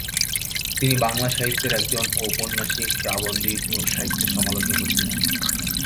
তিনি বাংলা সাহিত্যের একজন ঔপন্যাসিক প্রাবন্ধিক ও সাহিত্য সমালোচকও ছিলেন।